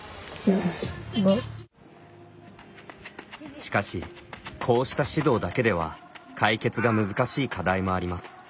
しかしこうした指導だけでは解決が難しい課題もあります。